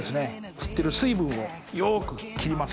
吸ってる水分をよく切ります。